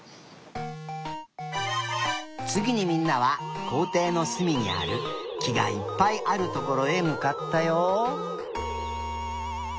つぎにみんなはこうていのすみにあるきがいっぱいあるところへむかったよ。